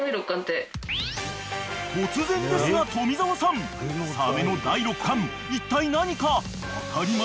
［突然ですが富澤さんサメの第６感いったい何か分かりますか？］